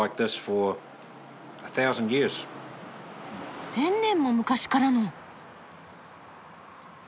１０００年も昔からの！